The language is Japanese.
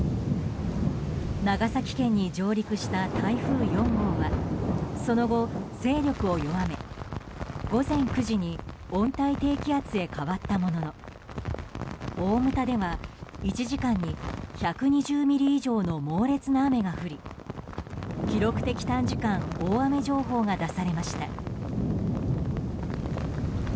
長崎県に上陸した台風４号はその後、勢力を弱め午前９時に温帯低気圧へ変わったものの大牟田では、１時間に１２０ミリ以上の猛烈な雨が降り記録的短時間大雨情報が出されました。